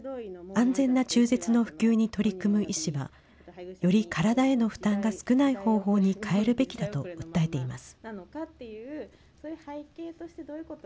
安全な中絶の普及に取り組む医師は、より体への負担が少ない方法に替えるべきだと訴えています。